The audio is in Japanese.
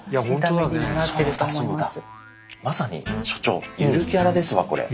まさに所長ゆるキャラですわこれ。